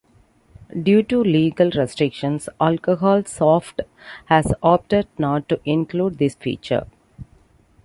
Due to legal restrictions, Alcohol Soft has opted not to include this feature.